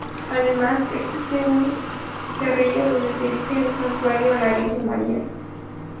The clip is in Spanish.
Además, existe un cerrillo donde se erige un santuario a la Virgen María.